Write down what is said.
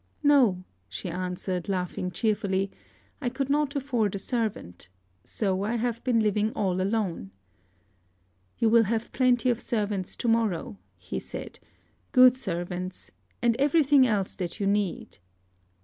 "No," she answered, laughing cheerfully: "I could not afford a servant; so I have been living all alone." "You will have plenty of servants to morrow," he said, "good servants, and everything else that you need."